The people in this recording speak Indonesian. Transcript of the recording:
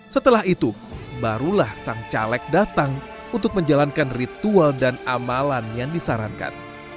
setelah itu barulah sang caleg datang untuk menjalankan ritual dan amalan yang disarankan